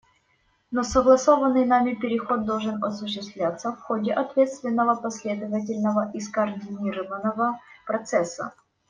Но согласованный нами переход должен осуществляться в ходе ответственного, последовательного и скоординированного процесса.